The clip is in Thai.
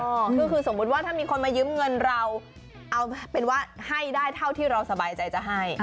ก็คือสมมุติว่าถ้ามีคนมายืมเงินเราเอาเป็นว่าให้ได้เท่าที่เราสบายใจจะให้